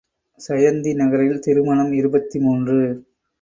சயந்தி நகரில் திருமணம் இருபத்து மூன்று.